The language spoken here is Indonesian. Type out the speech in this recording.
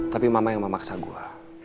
tapi mama yang memaksa gue